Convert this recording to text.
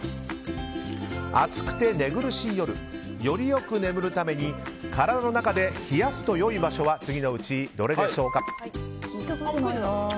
暑くて寝苦しい夜より良く眠るために体の中で冷やすと良い場所は次のうちどれでしょうか？